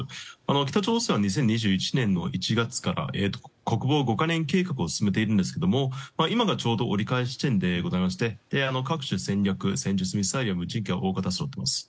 北朝鮮は２０２１年の１月から国防５か年計画を進めているんですが今がちょうど折り返し地点でして各種戦略、戦術、ミサイルは大方そろっています。